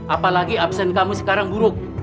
apalagi absen kamu sekarang buruk